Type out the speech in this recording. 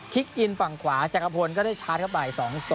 อินฝั่งขวาจักรพลก็ได้ชาร์จเข้าไป๒๒